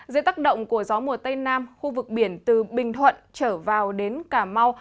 dưới tác động của gió mùa tây nam khu vực biển từ bình thuận trở vào đến cà mau